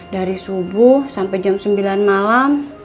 dari subuh sampai jam sembilan malam